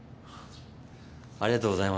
ありがとうございます。